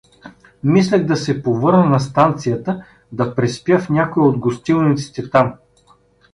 Мислех да се повърна на станцията да преспя в някоя от гостилниците там.